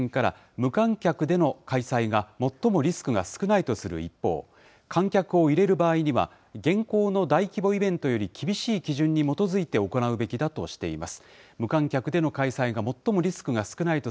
無観客での開催が最もリスクが少ないとする一方、観客を入れる場合には、現行の大規模イベントよりも厳しい基準に基づいて行うべきだとしています。